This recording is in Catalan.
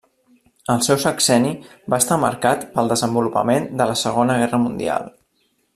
El seu sexenni va estar marcat pel desenvolupament de la Segona Guerra Mundial.